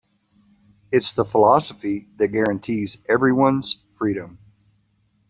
It's the philosophy that guarantees everyone's freedom.